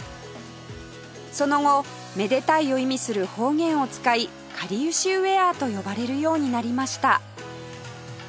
その後「めでたい」を意味する方言を使いかりゆしウェアと呼ばれるようになりました